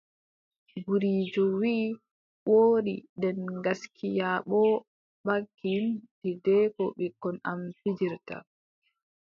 Gudiijo wii : woodi, nden gaskiya boo baakin deydey ko ɓikkon am pijiirta.